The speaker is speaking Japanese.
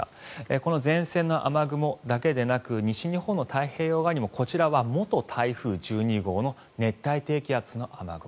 この前線の雨雲だけでなく西日本の太平洋側にもこちらは元台風１２号の熱帯低気圧の雨雲。